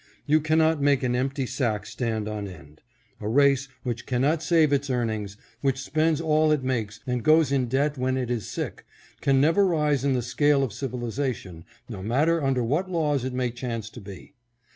You cannot make an empty sack stand on end. A race which cannot save its earnings, which spends all it makes and goes in debt when it is sick, can never rise in the scale of civilization, no matter under what laws it may chance to be.